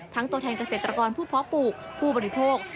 ตัวแทนเกษตรกรผู้เพาะปลูกผู้บริโภค